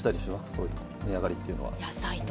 そういう、値上がりっていうのは。